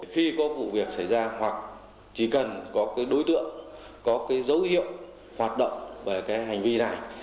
khi có vụ việc xảy ra hoặc chỉ cần có đối tượng có dấu hiệu hoạt động bởi hành vi này